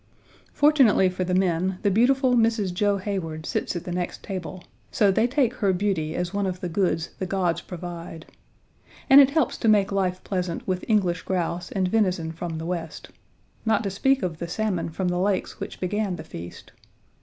Fortunately for the men, the beautiful Mrs. Joe Heyward sits at the next table, so they take her beauty as one of the goods the gods provide. And it helps to make life pleasant with English grouse and venison from the West. Not to speak of the salmon from the lakes which began the feast.